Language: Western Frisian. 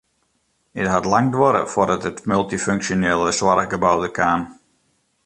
It hat lang duorre foardat it multyfunksjonele soarchgebou der kaam.